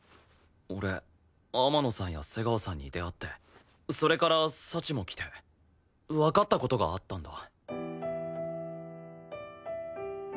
俺天野さんや瀬川さんに出会ってそれから幸も来てわかった事があったんだ。